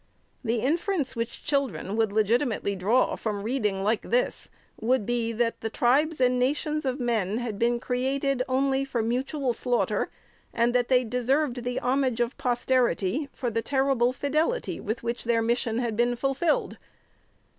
The inference which children would legitimately draw, from reading like this, would be, that the tribes and nations of men had been created only for mutual slaughter, and that they deserved the homage of posterity for the terrible fidelity with which their mission had been fulfilled.